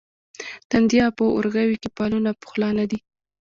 تندیه په اورغوي کې فالونه پخلا نه دي.